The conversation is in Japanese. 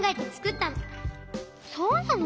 そうなの？